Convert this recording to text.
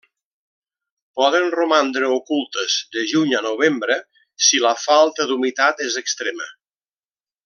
Poden romandre ocultes de juny a novembre si la falta d'humitat és extrema.